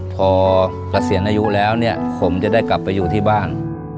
พอเกษียณอายุแล้วเนี่ยผมจะได้กลับไปอยู่ที่บ้าน